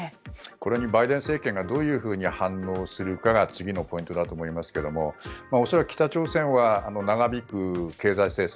これにバイデン政権がどう反応するかが次のポイントだと思いますが恐らく北朝鮮は長引く経済制裁